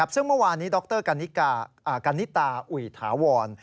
ซึ่งเมื่อวานนี้ดรกันนิตาอุ๋ยถาวร